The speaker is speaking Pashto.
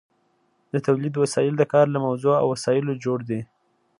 د تولید وسایل د کار له موضوع او وسایلو جوړ دي.